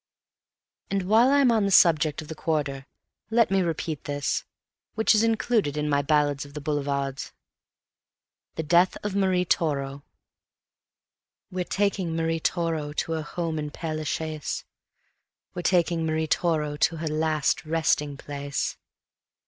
And while I am on the subject of the Quarter, let me repeat this, which is included in my Ballads of the Boulevards: The Death of Marie Toro We're taking Marie Toro to her home in Père La Chaise; We're taking Marie Toro to her last resting place.